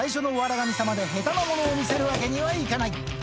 神様で下手なものを見せるわけにはいかない。